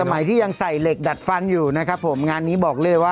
สมัยที่ยังใส่เหล็กดัดฟันอยู่นะครับ